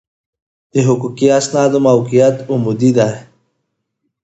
د حقوقي اسنادو موقعیت عمودي دی.